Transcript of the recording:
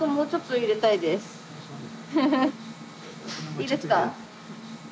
いいですか？